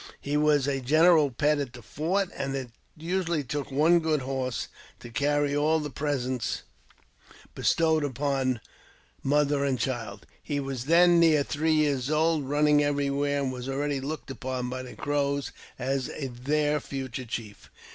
He was general pet at the fort, and it usually took one good horse carryall the presents bestowed upon mother and child, was then near three years old, running everywhere, and w already looked upon by the Crows as their future chief.